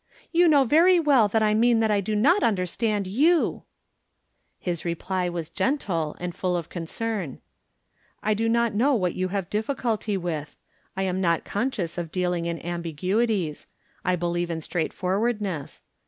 " You know very well that I mean that I do not understand you !" His reply was gentle, and full of concern :" I do not know what you have difficulty with ; I am not conscious of dealing in ambiguities ; I believe in straightforwardness.